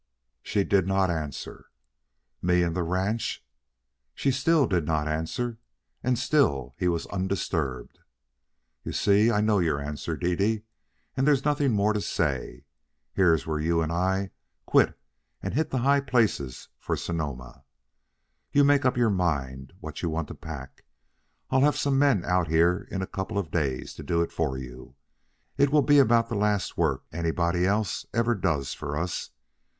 She did not answer. "Me and the ranch?" Still she did not answer, and still he was undisturbed. "You see, I know your answer, Dede, and there's nothing more to say. Here's where you and I quit and hit the high places for Sonoma. You make up your mind what you want to pack, and I'll have some men out here in a couple of days to do it for you. It will be about the last work anybody else ever does for us.